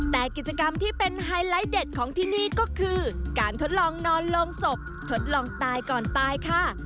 แต่กิจกรรมที่เป็นไฮไลท์เด็ดของที่นี่ก็คือการทดลองนอนลงศพทดลองตายก่อนตายค่ะ